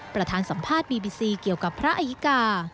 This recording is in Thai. ประธานสัมภาษณ์บีบีซีเกี่ยวกับพระอายิกา